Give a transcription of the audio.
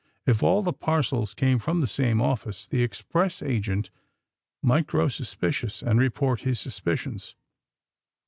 *^If all the parcels came from the same office the express agent might grow suspicious, and report his suspicions."